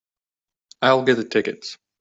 I'll get the tickets.